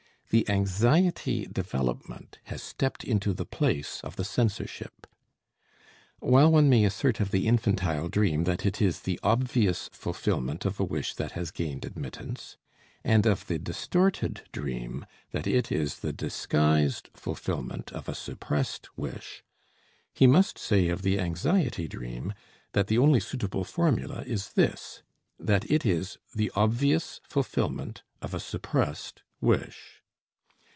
The anxiety development has stepped into the place of the censorship. While one may assert of the infantile dream that it is the obvious fulfillment of a wish that has gained admittance, and of the distorted dream that it is the disguised fulfillment of a suppressed wish, he must say of the anxiety dream that the only suitable formula is this, that it is the obvious fulfillment of a suppressed wish.